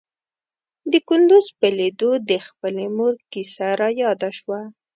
د کندوز په ليدو د خپلې مور کيسه راياده شوه.